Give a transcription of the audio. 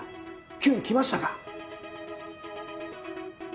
キュンきましたか？